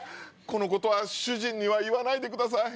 このことは主人には言わないでください。